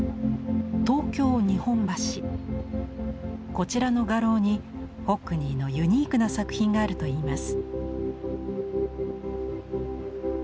こちらの画廊にホックニーのユニークな作品があるといいます。